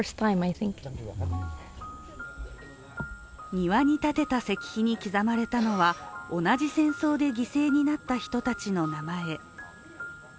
庭に建てた石碑に刻まれたのは同じ戦争で犠牲になった人たちの名前。